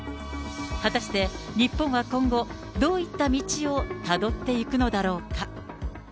果たして、日本は今後、どういった道をたどっていくのだろうか。